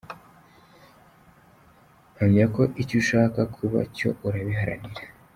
Mpamya ko icyo ushaka kuba cyo urabiharanira.